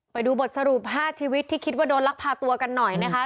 ไปดูบทสรุป๕ชีวิตที่คิดว่าโดนลักพาตัวกันหน่อยนะคะ